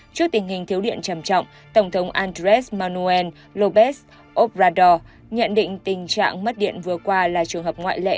trước tình hình thiếu điện trầm trọng tổng thống andres manuel lobes obrador nhận định tình trạng mất điện vừa qua là trường hợp ngoại lệ